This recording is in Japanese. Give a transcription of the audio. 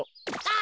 あ！